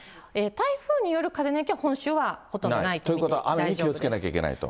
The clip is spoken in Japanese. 台風による風の影響は、本州はほとんどないと見て大丈夫です。ということは雨に気をつけなきゃいけないと。